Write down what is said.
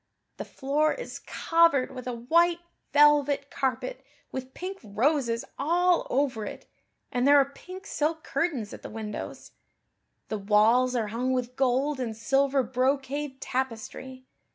The floor is covered with a white velvet carpet with pink roses all over it and there are pink silk curtains at the windows. The walls are hung with gold and silver brocade tapestry.